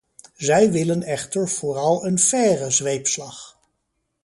Zij willen echter vooral een faire zweepslag.